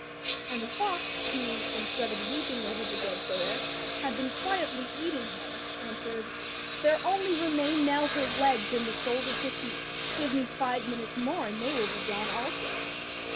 And the fox, who, instead of weeping over the dead bear, had been quietly eating her, answered: "There only remain now her legs and the soles of her feet. Give me five minutes more and they will be gone also!"